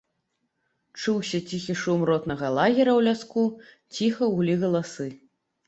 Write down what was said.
Чуўся ціхі шум ротнага лагера ў ляску, ціха гулі галасы.